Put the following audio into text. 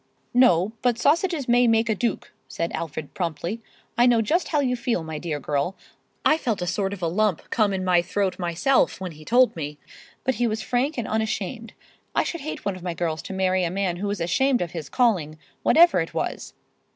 "No, but sausages may make a duke," said Alfred, promptly. "I know just how you feel, my dear girl—I felt a sort of a lump come in my throat myself when he told me—but he was frank and unashamed. I should hate one of my girls to marry a man who was ashamed of his calling, whatever it was."